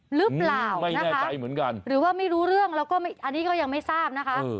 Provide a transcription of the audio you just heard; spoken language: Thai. หรือเปล่าไม่แน่ใจเหมือนกันหรือว่าไม่รู้เรื่องแล้วก็อันนี้ก็ยังไม่ทราบนะคะ